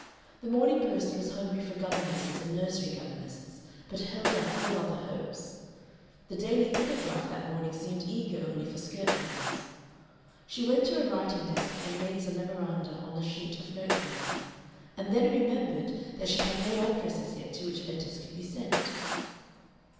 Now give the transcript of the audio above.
The Morning Post was hungry for governesses and nursery governesses, but held out no other hopes; the Daily Telegraph that morning seemed eager only for skirt hands. She went to a writing desk and made some memoranda on a sheet of note paper, and then remembered that she had no address as yet to which letters could be sent.